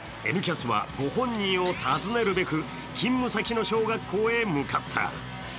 「Ｎキャス」はご本人を訪ねるべく勤務先の小学校へ向かった。